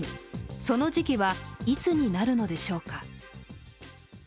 その時期はいつになるのでしょうか。